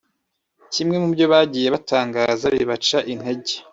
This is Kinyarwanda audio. Kimwe mu byo bagiye batangaza bibaca integer